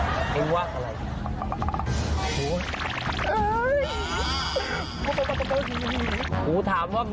ไม่วอกอะไร